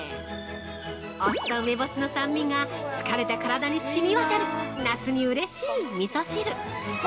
お酢と梅干しの酸味が疲れた体に染み渡る夏にうれしいみそ汁！